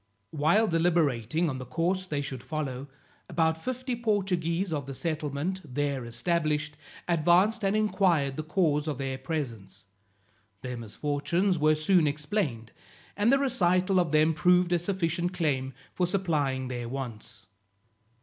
While deliberating on the course they should follow, about fifty Portuguese of the settlement, there established, advanced and inquired the cause of their presence. Their misfortunes were soon explained, and the recital of them proved a sufficient claim for supplying their wants.